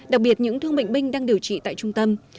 đặc biệt những thương bệnh binh đang điều trị tại trung tâm